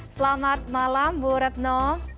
selamat malam bu retno